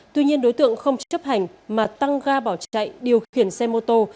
tuy nhiên đối tượng không chấp hành mà tăng ga bỏ chạy điều khiển xe mô tô